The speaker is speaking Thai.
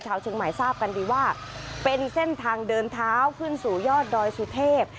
เชียงใหม่ทราบกันดีว่าเป็นเส้นทางเดินเท้าขึ้นสู่ยอดดอยสุเทพ